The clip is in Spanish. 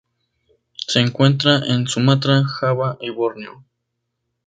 Se encuentra en Sumatra, Java y Borneo.